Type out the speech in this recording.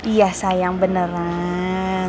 iya sayang beneran